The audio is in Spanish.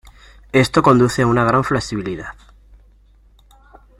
Esto conduce a una gran flexibilidad.